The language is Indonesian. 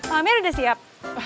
amir udah siap